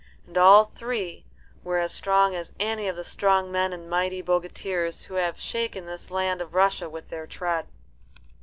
And all three were as strong as any of the strong men and mighty bogatirs who have shaken this land of Russia with their tread.